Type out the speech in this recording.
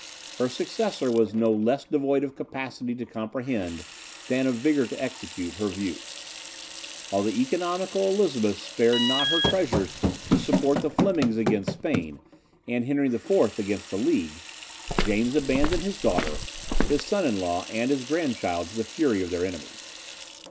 Her successor was no less devoid of capacity to comprehend, than of vigour to execute, her views. While the economical Elizabeth spared not her treasures to support the Flemings against Spain, and Henry IV. against the League, James abandoned his daughter, his son in law, and his grandchild, to the fury of their enemies.